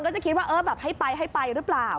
จะคิดว่าเออแบบให้ไปให้ไปหรือเปล่า